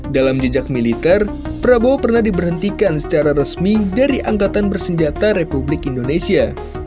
dalam jejak militer prabowo pernah diberhentikan secara resmi dari angkatan bersenjata republik indonesia